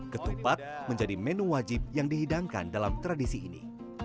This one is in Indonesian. ketupat menjadi menu wajib yang dihidangkan dalam tradisi ini